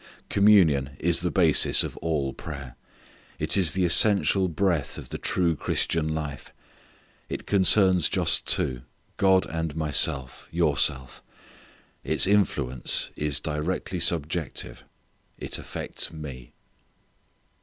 Communion is the basis of all prayer. It is the essential breath of the true Christian life. It concerns just two, God and myself, yourself. Its influence is directly subjective. _It affects me.